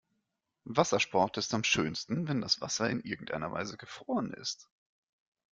Wassersport ist am schönsten, wenn das Wasser in irgendeiner Weise gefroren ist.